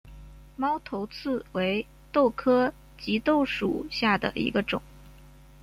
猫头刺为豆科棘豆属下的一个种。